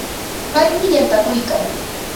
Paymi yantakuykan.